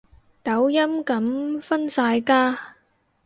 抖音噉分晒家